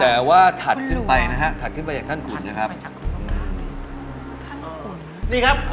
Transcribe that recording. แต่ว่าถัดขึ้นไปนะฮะถัดขึ้นไปจากท่านขุนนะครับ